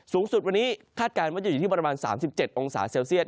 สูงสุดวันนี้คาดการณ์ว่าจะอยู่ที่ประมาณ๓๗องศาเซลเซียต